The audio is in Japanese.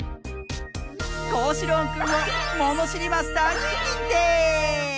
こうしろうくんをものしりマスターににんてい！